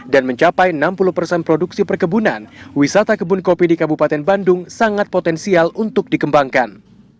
dan mencapai enam puluh persen produksi perkebunan wisata kebun kopi di kabupaten bandung sangat potensial untuk dikembangkan